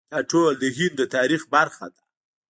دا ټول د هند د تاریخ برخه ده.